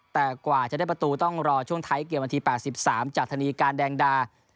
แต่กว่าจะได้ประตูต้องรอช่วงไทยเกี่ยววันที่แปดสิบสามจัดฐานีการแดงดา